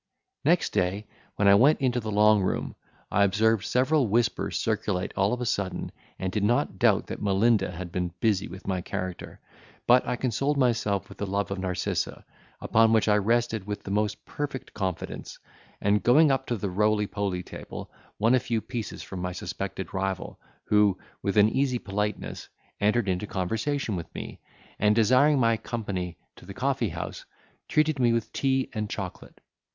Next day when I went into the Long Room, I observed several whispers circulate all of a sudden, and did not doubt that Melinda had been busy with my character; but I consoled myself with the love of Narcissa, upon which I rested with the most perfect confidence; and going up to the rowly powly table, won a few pieces from my suspected rival, who, with an easy politeness, entered into conversation with me, and, desiring my company to the coffee house, treated me with tea and chocolate.